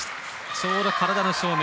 ちょうど体の正面。